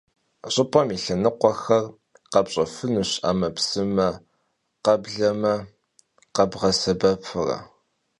Ş'ıp'em yi lhenıkhuexer khepş'efınuş 'emepsıme — khebleme khebğesebepure.